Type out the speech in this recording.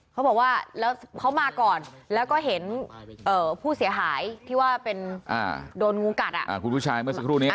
เขาบอกว่าเขามาก่อนแล้วก็เห็นผู้เสียหายที่ว่าเป็นโดนงูกัด